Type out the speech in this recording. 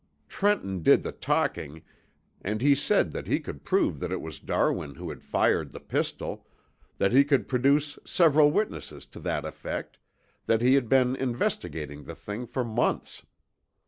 "Trenton did the talking, and he said that he could prove that it was Darwin who had fired the pistol, that he could produce several witnesses to that effect, that he had been investigating the thing for months.